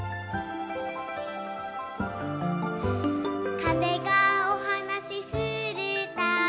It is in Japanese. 「かぜがおはなしするたび」